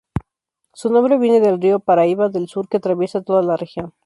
Su nombre viene del Río Paraíba del sur, que atraviesa toda la región.